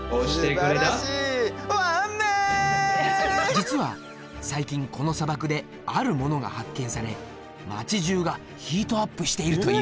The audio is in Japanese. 実は最近この砂漠である物が発見され町じゅうがヒートアップしているというんだ。